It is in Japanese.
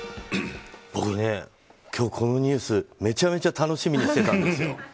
僕ね、今日このニュースめちゃめちゃ楽しみにしてたんですよ。